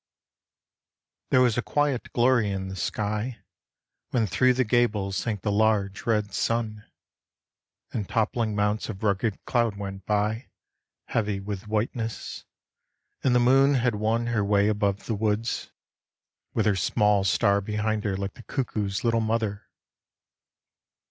There was a quiet glory in the sky When thro' the gables sank the large red sun, And toppling mounts of rugged cloud went by Heavy with whiteness, and the moon had won Her way above the woods, with her small star Behind her like the cuckoo's little mother.